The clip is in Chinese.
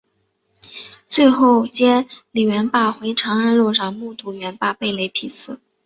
最后接李元霸回长安路上目睹元霸被雷劈死。